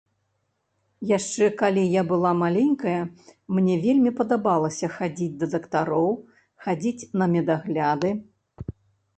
Яшчэ калі я была маленькая, мне вельмі падабалася хадзіць да дактароў, хадзіць на медагляды.